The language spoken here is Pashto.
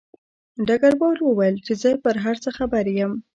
ډګروال وویل چې زه په هر څه خبر یم